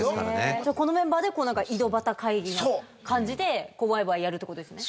じゃあこのメンバーで井戸端会議な感じでワイワイやるってことですよね。